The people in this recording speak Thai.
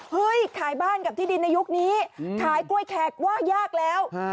ขายบ้านกับที่ดินในยุคนี้ขายกล้วยแขกว่ายากแล้ว